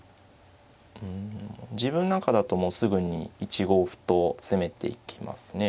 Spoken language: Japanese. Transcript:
うん自分なんかだともうすぐに１五歩と攻めていきますね